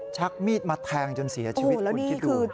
ชักมีดมาแทงจนเสียชีวิตคุณคิดดู